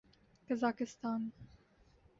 Kazakhstan